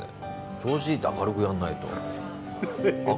調子いいって明るくやらないと。